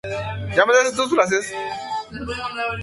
El edificio donde tiene su sede es obra del arquitecto británico Sir.